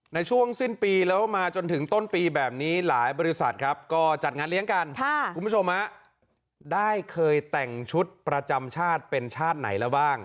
ในช่วงสิ้นปีแล้วมาจนถึงต้นปีแบบนี้หลายบริษัทครับก็จัดงานเลี้ยงกันคุณผู้ชมได้เคยแต่งชุดประจำชาติเป็นชาติไหนแล้วบ้าง